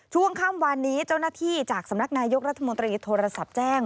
ช่วงค่ำวานนี้เจ้าหน้าที่จากสำนักนายกรัฐมนตรีโทรศัพท์แจ้ง